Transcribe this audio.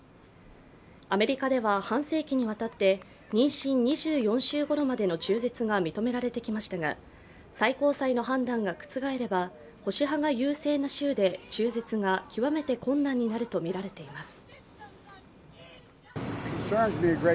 アメリカでは半世紀にわたって妊娠２４週ごろまでの中絶が認められてきましたが、最高裁の判断が覆れば保守派が優勢な州で中絶が極めて困難になるとみられています。